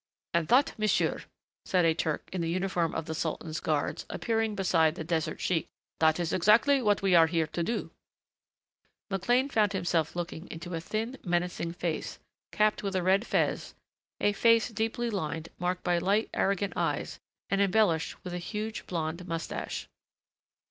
"And that, monsieur," said a Turk in the uniform of the Sultan's guards, appearing beside the desert sheik, "that is exactly what we are here to do." McLean found himself looking into a thin, menacing face, capped with a red fez, a face deeply lined, marked by light, arrogant eyes and embellished with a huge, blond mustache.